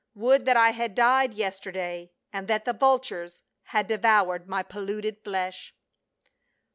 Would that I had died yesterday, and that the vultures had devoured my polluted flesh."